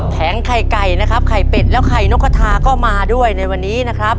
ไข่ไก่นะครับไข่เป็ดแล้วไข่นกกระทาก็มาด้วยในวันนี้นะครับ